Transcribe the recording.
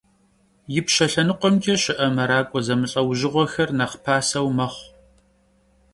Yipşe lhenıkhuemç'e şı'e merak'ue zemılh'eujjığuexer nexh paseu mexhu.